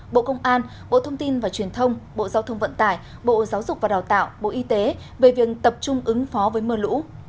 bộ công an bộ thông tin và truyền thông bộ giao thông vận tải bộ giáo dục và đào tạo bộ y tế về việc tập trung ứng phó với mưa lũ